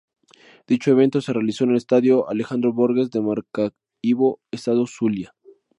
Dicho evento se realizó en el Estadio Alejandro Borges de Maracaibo, estado Zulia.